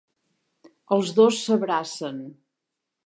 Els dos s'abracen.